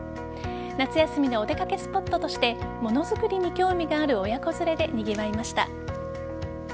夏休みのお出掛けスポットとしてものづくりに興味がある親子連れでにぎわいました。